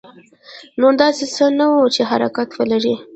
نور داسې څه نه وو چې حرکت ولري.